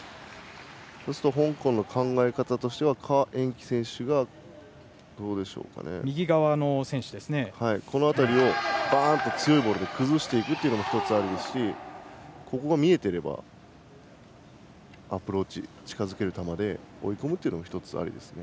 そうすると香港の考え方としては何宛淇選手が強いボールで崩していくのが１つ、ありますしここが見えていればアプローチ、近づける球で追い込むのもありですね。